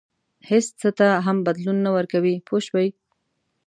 هېڅ څه ته هم بدلون نه ورکوي پوه شوې!.